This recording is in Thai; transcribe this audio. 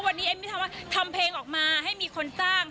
วันนี้เอ็มมี่ทำเพลงออกมาให้มีคนตั้ง